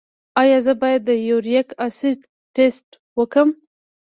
ایا زه باید د یوریک اسید ټسټ وکړم؟